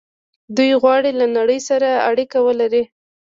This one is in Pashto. دوی غواړي له نړۍ سره اړیکه ولري.